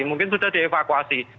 mungkin sudah dievakuasi